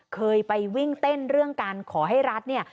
เคยไปวิ่งเต้นเรื่องการขอให้รัฐเนี่ย